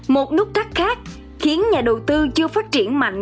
một nút thắt khác khiến nhà đầu tư chưa phát triển mạnh